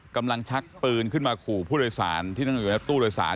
กำลังชักปืนขึ้นมาขู่ผู้โดยสารที่ต้องอยู่ในตู้โดยสาร